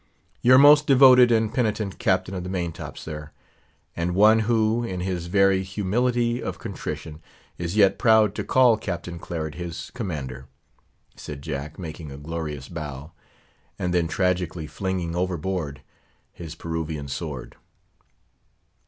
"Your most devoted and penitent Captain of the Main top, sir; and one who, in his very humility of contrition is yet proud to call Captain Claret his commander," said Jack, making a glorious bow, and then tragically flinging overboard his Peruvian sword.